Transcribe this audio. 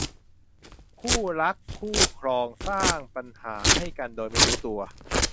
คู่รักคู่ครองสร้างปัญหาให้กันโดยไม่รู้ตัว